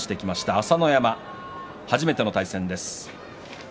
朝乃山初めての対戦です。